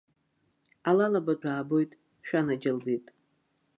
Алалабатә аабоит, шәанаџьалбеит!